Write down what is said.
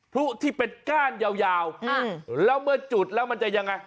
พลุที่เป็นก้านยาวแล้วเมื่อจุดแล้วมันจะยังไง